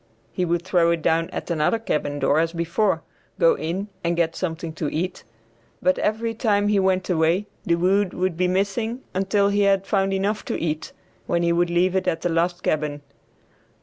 He would throw it down at another cabin door as before, go in and get something to eat; but every time when he went away the wood would be missing until he had found enough to eat, when he would leave it at the last cabin.